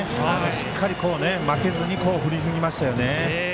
しっかり負けずに振り抜きましたね。